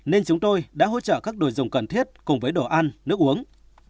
nên chúng tôi đã hỗ trợ các đồ dùng cần thiết cùng với đồ ăn nước uống